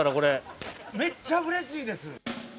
めっちゃうれしいです！